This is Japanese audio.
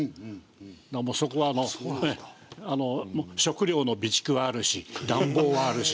だからもうそこは食料の備蓄はあるし暖房はあるし。